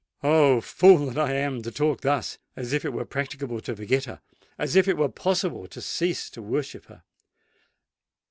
Oh! fool that I am to talk thus;—as if it were practicable to forget her—as if it were possible to cease to worship her!